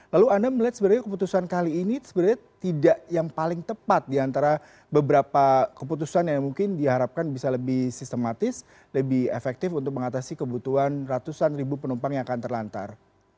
lalu anda melihat sebenarnya keputusan kali ini sebenarnya tidak yang paling tepat diantara beberapa keputusan yang mungkin diharapkan bisa lebih sistematis lebih efektif untuk mengatasi kebutuhan ratusan ribu penumpang yang akan terlantar